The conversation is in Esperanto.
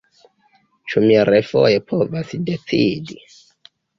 Ĉu mi refoje povas decidi?